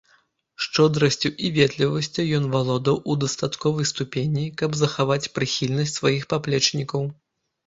Шчодрасцю і ветлівасцю ён валодаў у дастатковай ступені, каб захаваць прыхільнасць сваіх паплечнікаў.